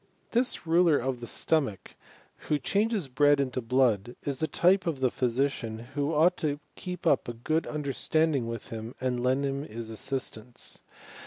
This ruler of the stomach, who changes bread into blood, is the type of the physicianj'^ who ought to keep up a good understanding with him,V* and lend him his assistance.